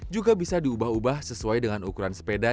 juga bisa diubah ubah sesuai dengan ukuran sepeda